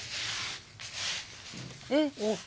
えっ？